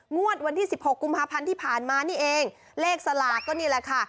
งวดวันที่๑๖กุมภาพันธ์ที่ผ่านมานี่เองเลขสลากก็นี่แหละค่ะ